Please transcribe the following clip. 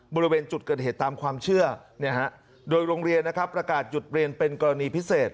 บริเวณจุดเกิดเหตุตามความเชื่อโดยโรงเรียนนะครับประกาศหยุดเรียนเป็นกรณีพิเศษ